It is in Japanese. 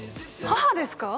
母ですか？